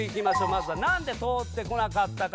まずはなんで通ってこなかったか。